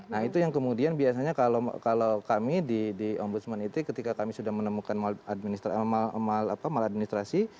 nah itu yang kemudian biasanya kalau kami di ombudsman itu ketika kami sudah menemukan maladministrasi